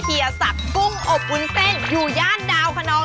เฮียศักดิ์กุ้งอบวุ้นเส้นอยู่ย่านดาวคนนอง